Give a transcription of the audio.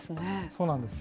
そうなんです。